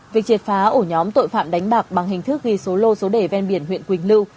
việc triệt phá ổ nhóm tội phạm đánh bạc bằng hình thức ghi số lô số đề ven biển huyện quỳnh lưu